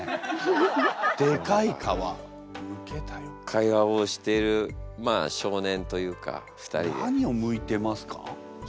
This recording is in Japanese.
会話をしている少年というか２人で。